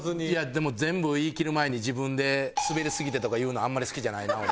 でも全部言いきる前に自分でスベりすぎてとか言うのあんまり好きじゃないな俺。